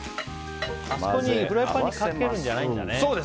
フライパンにかけるんじゃないんだね。